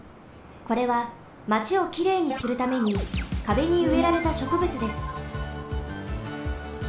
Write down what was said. これはマチをきれいにするためにかべにうえられたしょくぶつです。